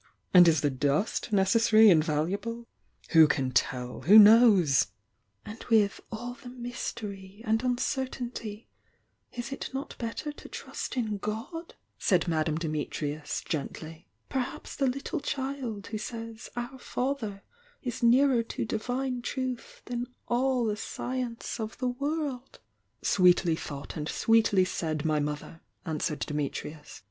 And is the dust ne<»s sary and valuable? Who can tell! Who knowsr „„+l!^« . /"J^®J?y^tory and uncertainty, is it ^l^^"p *{!"'* ""u^"^ •"^'^ Madame Diiiitrius, gentiy.^ . Perhaps the attle child who says 'Our father is nearer to Divine Truth than all the sci ence of the world." "Sweetly thought and sweetly said, my Mother'" answered Dimitrius.